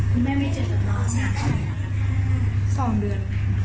คุณแม่ไม่เจอจำนอนสามเดือน